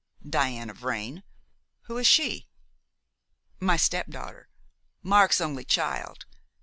"Diana Vrain! Who is she?" "My stepdaughter Mark's only child.